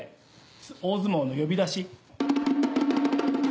大相撲の呼び出し。